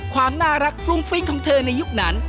ความน่ารักฟรุ้งฟิ้งของเธอในยุคนั้น